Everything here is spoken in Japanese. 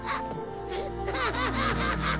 ハハハハッ！